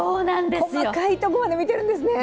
細かいところまで見てるんですね。